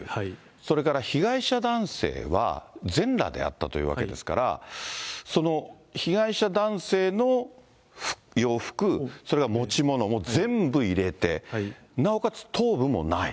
それから被害者男性は、全裸であったというわけですから、その被害者男性の洋服、それから持ち物も全部入れて、なおかつ頭部もない。